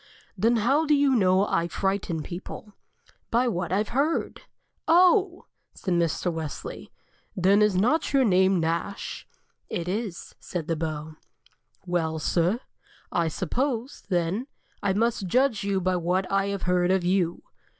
"Then how do you know I frighten people?" "By what I have heard." "Oh!" said Mr. Wesley. "Then is not your name Nash?" "It is," said the Beau. "Well, sir, I suppose, then, I must judge you by what I have heard of you."